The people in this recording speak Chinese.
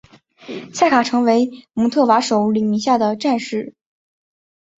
夏卡成为姆特瓦首领麾下的战士。